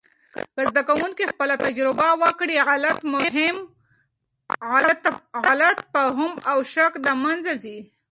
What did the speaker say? که زده کوونکي خپله تجربه وکړي، غلط فهم او شک د منځه ځي.